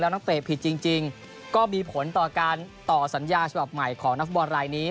นักเตะผิดจริงก็มีผลต่อการต่อสัญญาฉบับใหม่ของนักฟุตบอลรายนี้